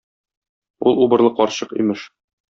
Ул убырлы карчык, имеш.